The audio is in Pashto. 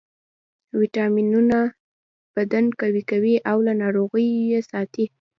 ویټامینونه بدن قوي کوي او له ناروغیو یې ساتي